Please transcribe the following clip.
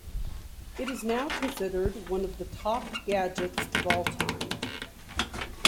It is now considered one of the top gadgets of all time.